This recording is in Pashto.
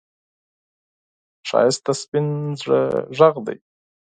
ښایست د سپين زړه غږ دی